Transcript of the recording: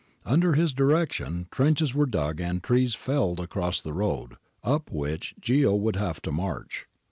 Under his direction trenches were dug and trees felled across the road up which Ghio would have to march.